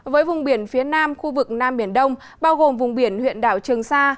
với vùng biển phía nam khu vực nam biển đông bao gồm vùng biển huyện đảo trường sa